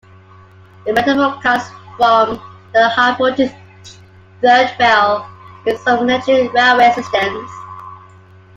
The metaphor comes from the high-voltage third rail in some electric railway systems.